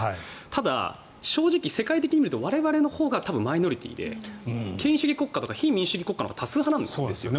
ただ、正直世界的にみると我々のほうが多分マイノリティーで権威主義国家とか非民主主義国家のほうが多数派なんですよね。